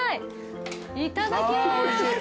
いただきます。